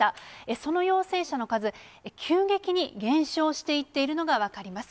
その陽性者の数、急激に減少していっているのが分かります。